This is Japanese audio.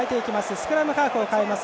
スクラムハーフを代えます。